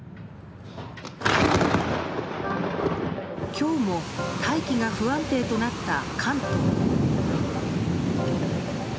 今日も大気が不安定となった関東。